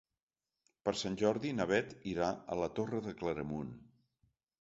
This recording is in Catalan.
Per Sant Jordi na Beth irà a la Torre de Claramunt.